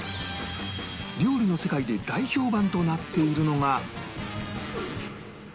料理の世界で大評判となっているのが